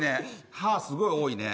歯すごい多いね。